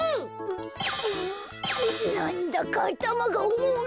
うっなんだかあたまがおもい。